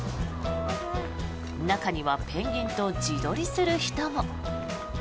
中にはペンギンと自撮りする人も。